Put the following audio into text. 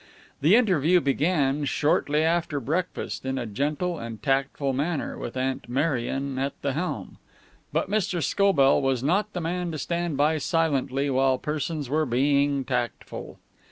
The interview began, shortly after breakfast, in a gentle and tactful manner, with Aunt Marion at the helm. But Mr. Scobell was not the man to stand by silently while persons were being tactful.